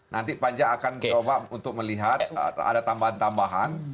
nanti panja akan coba untuk melihat ada tambahan tambahan